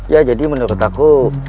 ya jadi menurut aku